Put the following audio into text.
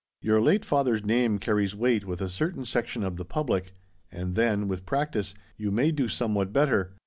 Your late father's name carries weight with a certain section of the public. And then, with practice, you may do somewhat better.